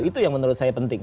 itu yang menurut saya penting